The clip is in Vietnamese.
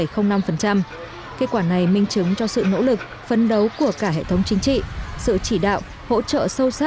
kết quả này minh chứng cho sự nỗ lực phấn đấu của cả hệ thống chính trị sự chỉ đạo hỗ trợ sâu sát